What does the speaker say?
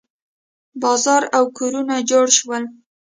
بازار او کورونه جوړ شول.